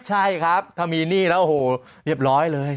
ใช่ครับถ้ามีนี่รับเนี่ยโหเรียบร้อยเลย